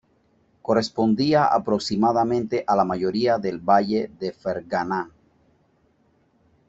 Correspondía aproximadamente a la mayoría del valle de Ferganá.